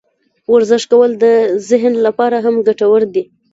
ورزش کول د ذهن لپاره هم ګټور دي.